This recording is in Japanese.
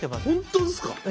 本当っすか？